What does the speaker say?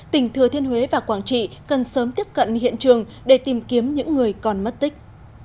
tỉnh thừa thiên huế và quảng trị cần sớm tiếp cận hiện trường để tìm kiếm những người còn mất tích